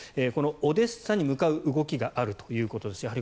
このオデッサに向かう動きがあるということです。